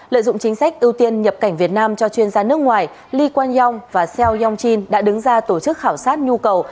lợi dụng chính sách ưu tiên nhập cảnh việt nam cho chuyên gia nước ngoài lee quang yong và seo yong chin đã đứng ra tổ chức khảo sát nhu cầu